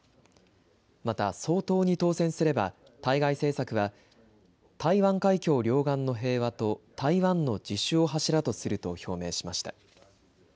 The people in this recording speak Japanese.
また総統に当選すれば対外政策は台湾海峡両岸の平和と、台湾の自主を柱とすると表明しました。